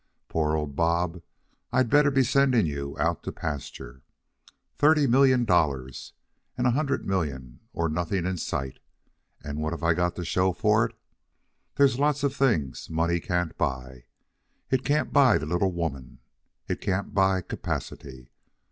Poor old Bob. I'd better be sending you out to pasture. Thirty million dollars, and a hundred million or nothing in sight, and what have I got to show for it? There's lots of things money can't buy. It can't buy the little woman. It can't buy capacity.